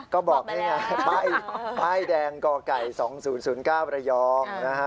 ก็บอกได้ไงป้ายแดงกไก่๒๐๐๙ระยอง